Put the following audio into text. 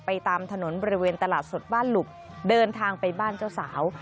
ตามถนนบริเวณตลาดสดบ้านหลุบเดินทางไปบ้านเจ้าสาว